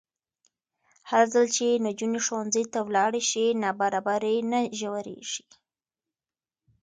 هرځل چې نجونې ښوونځي ته ولاړې شي، نابرابري نه ژورېږي.